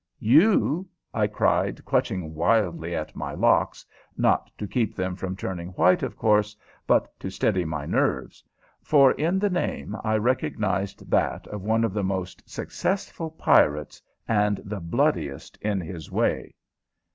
_" "You?" I cried, clutching wildly at my locks, not to keep them from turning white, of course, but to steady my nerves, for in the name I recognized that of one of the most successful pirates, and the bloodiest in his way.